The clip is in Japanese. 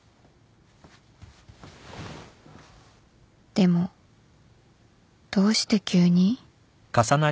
でもどうして急に？